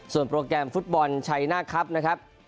โปรแกรมฟุตบอลชัยหน้าครับนะครับ